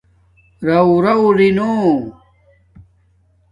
رَورَݸ رائ نو